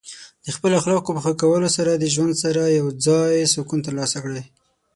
د خپل اخلاقو په ښه کولو سره د ژوند سره یوځای سکون ترلاسه کړئ.